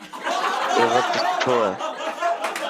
اي وقت سٺو هي.